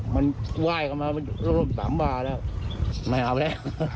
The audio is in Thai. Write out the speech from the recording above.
ไหว้กันมาลง๓วาแล้วไม่เอาแล้ว